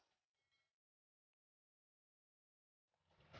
pesan tren anur